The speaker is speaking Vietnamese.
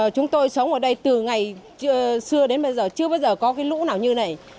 chúng tôi sống ở đây từ ngày xưa đến bây giờ chưa có lũ nào như này